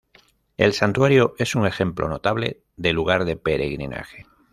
El Santuario es un ejemplo notable de lugar de peregrinaje.